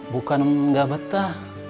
bukan nggak betah